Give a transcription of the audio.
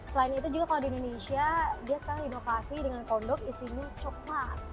selain itu juga kalau di indonesia biasanya di inovasi dengan konduk isinya coklat